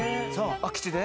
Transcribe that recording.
空き地で？